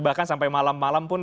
bahkan sampai malam malam pun